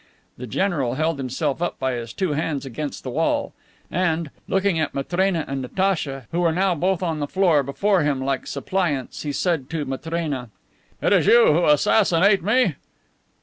The general held himself up by his two hands against the wall, and, looking at Matrena and Natacha, who now were both upon the floor before him like suppliants, he said to Matrena: "It is you who assassinate me."